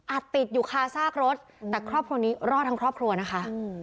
ติดอยู่คาซากรถแต่ครอบครัวนี้รอดทั้งครอบครัวนะคะ